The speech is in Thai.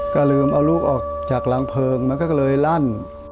ก็ลืมเอาลูกออกจากรังเพลิงมันก็เลยลั่น